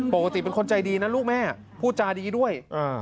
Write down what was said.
ปกติเป็นคนใจดีนะลูกแม่พูดจาดีด้วย